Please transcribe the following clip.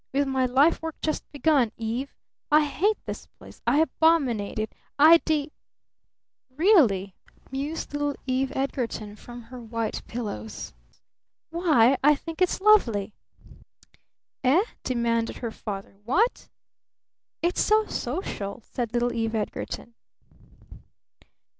With my life work just begun, Eve! I hate this place! I abominate it! I de " "Really?" mused little Eve Edgarton from her white pillows. "Why I think it's lovely." "Eh?" demanded her father. "What? Eh?" "It's so social," said little Eve Edgarton.